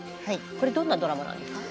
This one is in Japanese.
これどんなドラマなんですか？